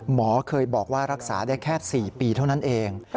หมอเคยบอกว่ารักษาได้แค่๔ปีเท่านั้นเอง